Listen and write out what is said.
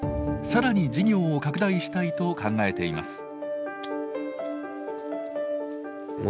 更に事業を拡大したいと考えています。